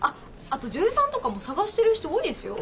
あと女優さんとかも探してる人多いですよ。